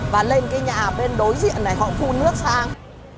và lên cái nhà bên đối diện này họ phun nước sang